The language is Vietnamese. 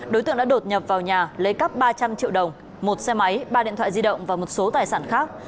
đối tượng đã đột nhập vào nhà lấy cắp ba trăm linh triệu đồng một xe máy ba điện thoại di động và một số tài sản khác